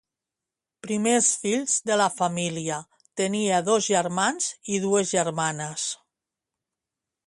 Primer fills de la família, tenia dos germans i dues germanes.